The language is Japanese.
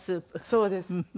そうです。